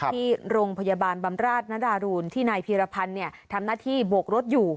ที่โรงพยาบาลบำราชนดารูนที่นายพีรพันธ์ทำหน้าที่โบกรถอยู่